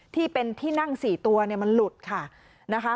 ที่เป็นที่นั่ง๔ตัวมันหลุดค่ะนะคะ